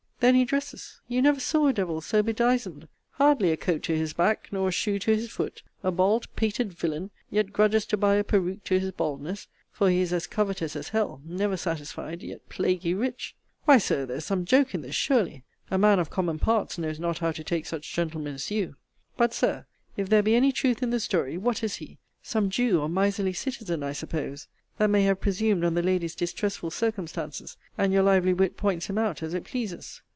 Then he dresses you never saw a devil so bedizened! Hardly a coat to his back, nor a shoe to his foot. A bald pated villain, yet grudges to buy a peruke to his baldness: for he is as covetous as hell, never satisfied, yet plaguy rich. Why, Sir, there is some joke in this, surely. A man of common parts knows not how to take such gentleman as you. But, Sir, if there be any truth in the story, what is he? Some Jew or miserly citizen, I suppose, that may have presumed on the lady's distressful circumstances; and your lively wit points him out as it pleases.